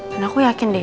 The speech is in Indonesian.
dan aku yakin deh